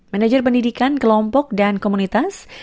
manajer pendidikan kelompok dan komunitas